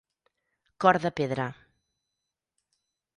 Cor de pedra.